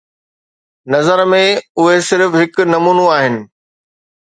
نظر ۾، اهي صرف هڪ نمونو آهن